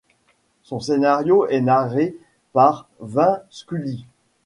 Son scénario est narré par Vin Scully.